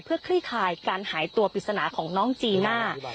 เพื่อคลี่คลายการหายตัวปริศนาของน้องจีน่า